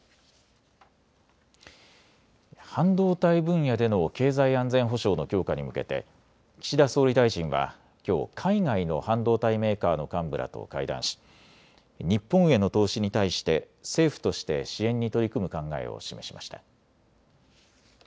半導体分野での経済安全保障の強化に向けて岸田総理大臣はきょう、海外の半導体メーカーの幹部らと会談し日本への投資に対して政府として支援に取り組む考えを示しました。